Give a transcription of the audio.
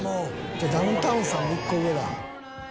じゃあダウンタウンさんの１個上だ。